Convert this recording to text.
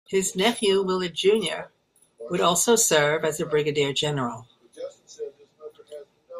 His nephew, Willard, Junior would also serve as a brigadier general.